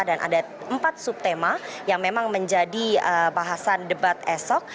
dan ada empat subtema yang memang menjadi bahasan debat esok